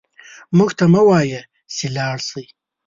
موږ ته مه وايه چې لاړ شئ